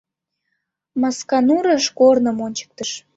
— Масканурыш корным ончыктыш...